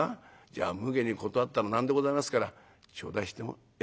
じゃあむげに断ったらなんでございますから頂戴しても。